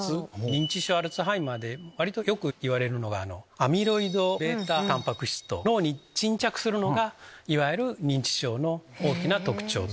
認知症・アルツハイマーで割とよくいわれるのがアミロイドβタンパク質が脳に沈着するのがいわゆる認知症の大きな特徴。